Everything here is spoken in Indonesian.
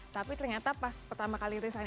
tapi ternyata pas pertama kali resign